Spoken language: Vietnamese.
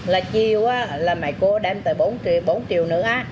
là chiêu là mẹ cô đem tới bốn triệu